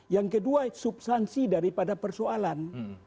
yang kedua substansi daripada persoalan